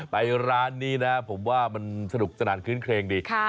ไปร้านนี้นะผมว่ามันสนุกสนานคื้นเครงดี